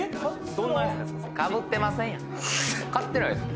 どんなやつですか？